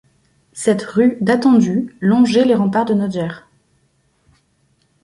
Cette rue datant du longeait les remparts de Notger.